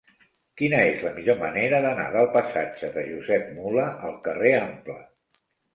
Quina és la millor manera d'anar del passatge de Josep Mula al carrer Ample?